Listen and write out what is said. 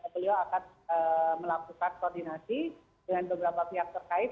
beliau akan melakukan koordinasi dengan beberapa pihak terkait